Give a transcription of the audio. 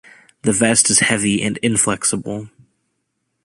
The vest is heavy and inflexible.